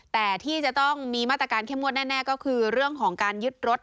แต่ที่จะต้องมีมาตรการเข้มงวดแน่ก็คือเรื่องของการยึดรถ